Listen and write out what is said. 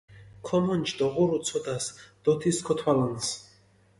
ქომონჯი დოღურუ ცოდას დო თის ქოთვალჷნს.